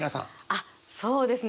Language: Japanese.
あっそうですね。